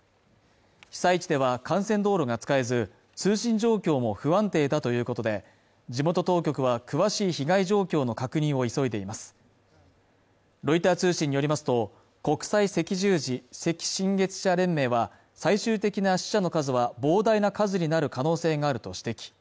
被災地では幹線道路が使えず通信状況も不安定だということで地元当局は詳しい被害状況の確認を急いでいますロイター通信によりますと国際赤十字赤新月社連盟は最終的な死者の数は膨大な数になる可能性があると指摘